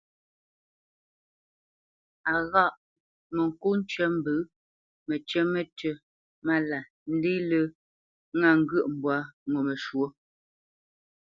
A ghâʼ : mə ŋko ncə mbə məcyə̌ mətʉ́ mála ndé lə ŋa ŋgyə̂ʼ mbwâ ŋo məshwɔ́.